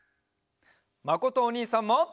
まことおにいさんも！